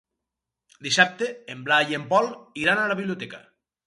Dissabte en Blai i en Pol iran a la biblioteca.